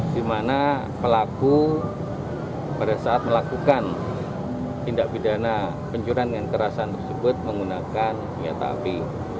di mana pelaku pada saat melakukan tindak pidana pencurian dengan kerasan tersebut menggunakan senjata api